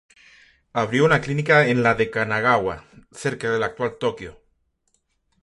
Abrió una clínica en la de Kanagawa, cerca de la actual Tokio.